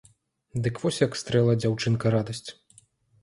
Дык вось як стрэла дзяўчынка радасць.